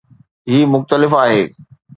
هي مختلف آهي